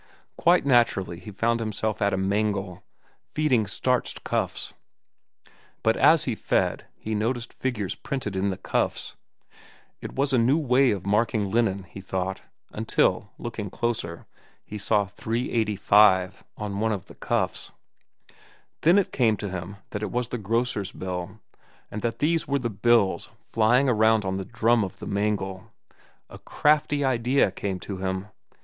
Quite naturally he found himself at a mangle, feeding starched cuffs. But as he fed he noticed figures printed in the cuffs. It was a new way of marking linen, he thought, until, looking closer, he saw "$3.85" on one of the cuffs. Then it came to him that it was the grocer's bill, and that these were his bills flying around on the drum of the mangle. A crafty idea came to him.